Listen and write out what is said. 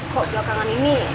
kok belakangan ini